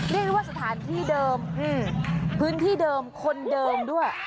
เรียกว่าสถานที่เดิมพื้นที่เดิมคนเดิมด้วย